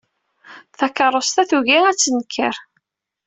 Takeṛṛust-a tugi ad tenker.